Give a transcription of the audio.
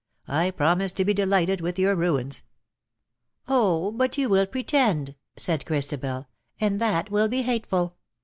I promise to be delighted with your ruins." " Oh, but you will pretend," said Christabel, " and that will be hateful